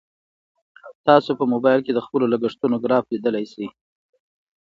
تاسو په موبایل کې د خپلو لګښتونو ګراف لیدلی شئ.